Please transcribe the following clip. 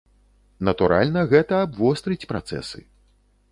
Натуральна, гэта абвострыць працэсы.